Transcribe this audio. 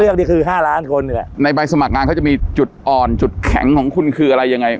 นี่คือห้าล้านคนแหละในใบสมัครงานเขาจะมีจุดอ่อนจุดแข็งของคุณคืออะไรยังไง